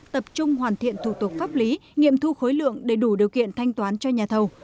tập trung hoàn thiện thủ tục pháp lý nghiệm thu khối lượng để đủ điều kiện thanh toán cho nhà thầu